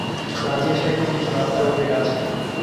প্রাচীন সাহিত্যে কিছু রাস্তার উল্লেখ আছে।